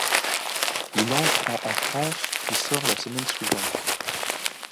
Il entre en en France, puis sort la semaine suivante.